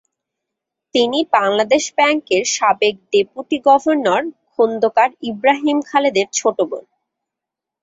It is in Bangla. তিনি বাংলাদেশ ব্যাংকের সাবেক ডেপুটি গভর্নর খোন্দকার ইব্রাহিম খালেদের ছোট বোন।